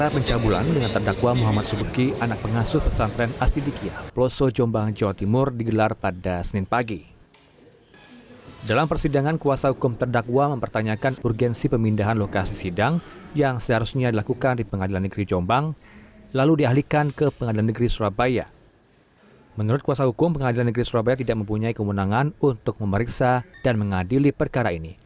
menurut kuasa hukum pengadilan negeri surabaya tidak mempunyai kemenangan untuk memeriksa dan mengadili perkara ini